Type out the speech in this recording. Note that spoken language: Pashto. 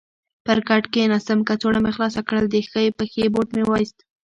پر کټ کېناستم، کڅوړه مې خلاصه کړل، د ښۍ پښې بوټ مې وایست.